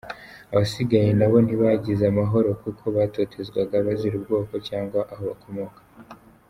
Abasigaye nabo ntibagize amahoro, kuko batotezwaga bazira ubwoko cyangwa aho bakomokamo.